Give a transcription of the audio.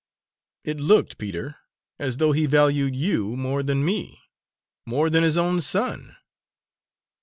"It looked, Peter, as though he valued you more than me! more than his own son!"